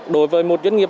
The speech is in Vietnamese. đối với một doanh nghiệp